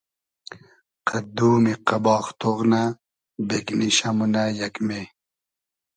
قئد دومی قئباغ تۉغ نۂ ، بېگنیشۂ مونۂ یئگمې